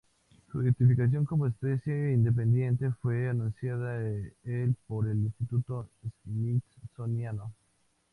Su identificación como especie independiente fue anunciada el por el Instituto Smithsoniano.